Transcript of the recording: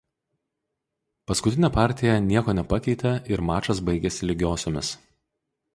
Paskutinė partija nieko nepakeitė ir mačas baigėsi lygiosiomis.